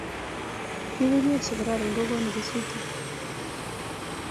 nyukunyek chekororon kokonu kesutik